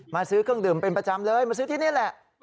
ซื้อเครื่องดื่มเป็นประจำเลยมาซื้อที่นี่แหละ